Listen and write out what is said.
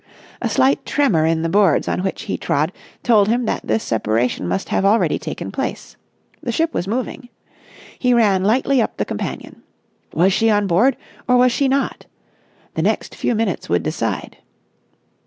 A slight tremor in the boards on which he trod told him that this separation must have already taken place. The ship was moving. He ran lightly up the companion. Was she on board or was she not? The next few minutes would decide.